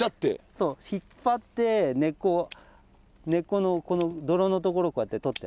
そう引っ張って根っこのこの泥のところをこうやってとって。